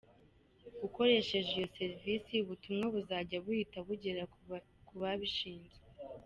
Ukoresheje iyo serivisi ubutumwa buzajya buhita bugera ku babishinzwe.